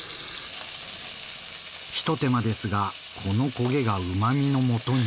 一手間ですがこの焦げがうまみのもとに。